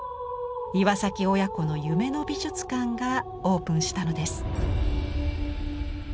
岩親子の夢の美術館がオープンしたのです。